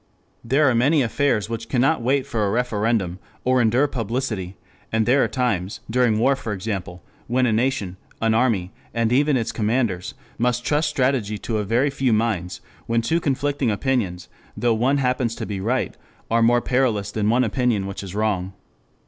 There are many affairs which cannot wait for a referendum or endure publicity, and there are times, during war for example, when a nation, an army, and even its commanders must trust strategy to a very few minds; when two conflicting opinions, though one happens to be right, are more perilous than one opinion which is wrong.